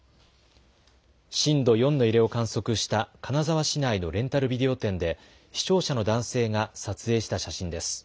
震度４の揺れを観測した金沢市内のレンタルビデオ店で視聴者の男性が撮影した写真です。